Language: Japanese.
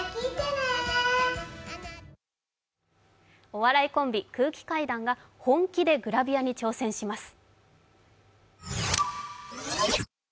お笑いコンビ空気階段が本気でグラビアに挑戦します。